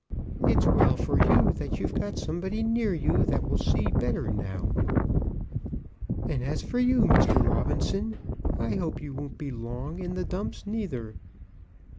"It's well for you that you've got somebody near you that will see better now. And as for you, Mr. Robinson; I hope you won't be long in the dumps, neither."